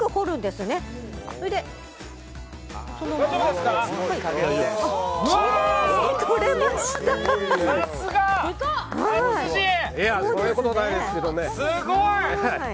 すごい！